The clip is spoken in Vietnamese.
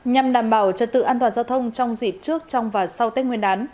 nhằm đảm bảo trật tự an toàn giao thông trong dịp trước trong và sau tết nguyên đán